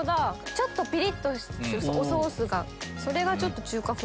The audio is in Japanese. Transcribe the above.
ちょっとピリっとおソースがそれがちょっと中華風。